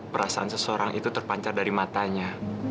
perasaan seseorang itu terpancar dari matanya